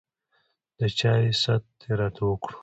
د چاے ست يې راته وکړو